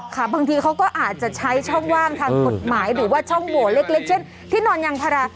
บางทีเขาก็อาจจะใช้ช่องว่างทางกฎหมายหรือว่าช่องโหวตเล็กเช่นที่นอนยางพารา